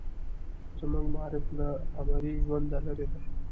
زموږ معارف له عملي ژونده لرې دی.